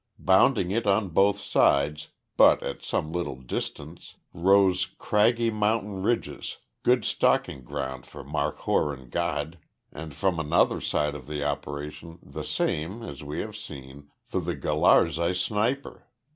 Bounding it on both sides, but at some little distance, rose craggy mountain ridges, good stalking ground for markhor and gadh, and, from another side of the operation, the same, as we have seen, for the Gularzai sniper.